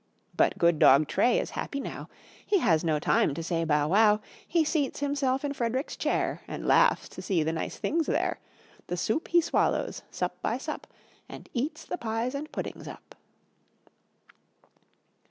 But good dog Tray is happy now; He has no time to say "Bow wow!" He seats himself in Frederick's chair And laughs to see the nice things there: The soup he swallows, sup by sup And eats the pies and puddings up.